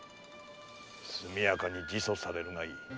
速やかに自訴されるがいい。